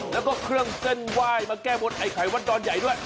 แล้วก็เครื่องเส้นไหว้มาแก้บนไอ้ไข่วัดดอนใหญ่ด้วย